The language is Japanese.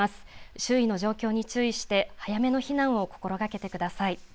周囲の状況に注意して早めの避難を心がけてください。